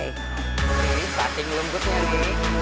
ini starting lembutnya nih